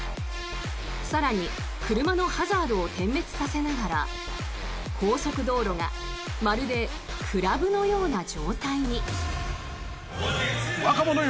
更に車のハザードを点滅させながら高速道路がまるでクラブのような状態に。